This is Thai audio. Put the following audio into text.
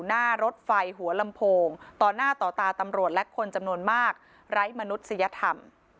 หน้ารถไฟหัวลำโพงต่อหน้าต่อตาตำรวจและคนจำนวนมากไร้มนุษยธรรม